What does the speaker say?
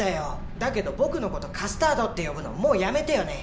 だけど僕のことカスタードって呼ぶのもうやめてよね。